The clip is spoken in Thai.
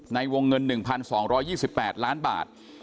ในวงเงิน๑๒๒๘ล้านบาท